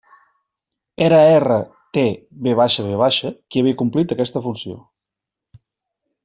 Era RTVV qui havia complit aquesta funció.